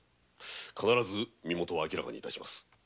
必ず身元を明らかにします。